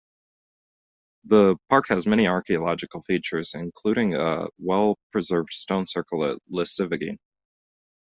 The park has many archaeological features, including a well preserved stone circle at Lissivigeen.